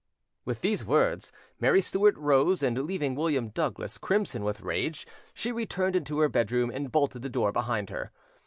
With these words, Mary Stuart rose, and, leaving William Douglas crimson with rage, she returned into her bedroom, and bolted the door behind her.